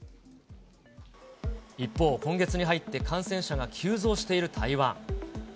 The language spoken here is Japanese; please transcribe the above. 一方、今月に入って感染者が急増している台湾。